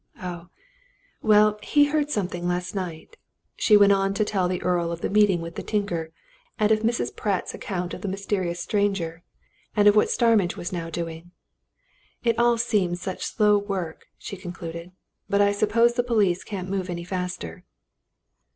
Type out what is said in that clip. "Oh, well, he heard something last night." She went on to tell the Earl of the meeting with the tinker, and of Mrs. Pratt's account of the mysterious stranger, and of what Starmidge was now doing. "It all seems such slow work," she concluded, "but I suppose the police can't move any faster."